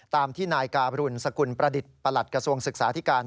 ตามที่นายการุณสกุลประดิษฐ์ประหลัดกระทรวงศึกษาธิการ